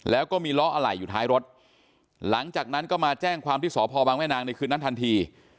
แล้วก็มีล้ออะไหล่อยู่ท้ายรถหลังจากนั้นก็มาแจ้งความที่สพบังแม่นางในคืนนั้นทันที